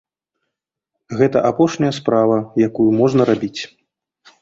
Гэта апошняя справа, якую можна рабіць.